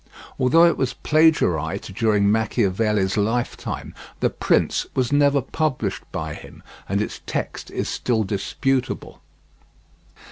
Although it was plagiarized during Machiavelli's lifetime, The Prince was never published by him, and its text is still disputable.